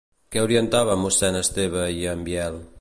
Què orientava a mossèn Esteve i a en Biel?